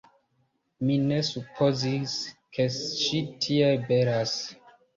Mi ne supozis, ke ŝi tiel belas.